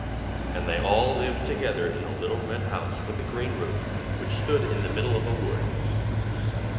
And they all lived together in a little red house with a green roof, which stood in the middle of a wood.